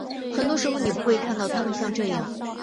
很多时候你不会看到他们像这样。